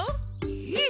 えっ？